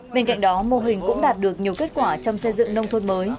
bên cạnh đó mô hình cũng đạt được nhiều kết quả trong xây dựng nông thôn mới